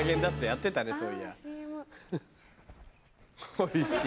「おいしい」？